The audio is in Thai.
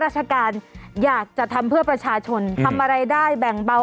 ราชการอยากจะทำเพื่อประชาชนทำอะไรได้แบ่งเบา